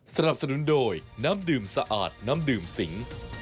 สนับสนุนโดยน้ำดื่มสะอาดน้ำดื่มสิง